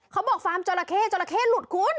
ฟาร์มจราเข้จราเข้หลุดคุณ